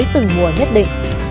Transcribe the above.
là nhất định